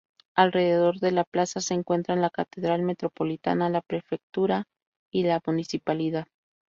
Alrededor de la plaza se encuentran la Catedral Metropolitana, la prefectura y la municipalidad.